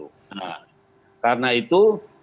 nah karena itu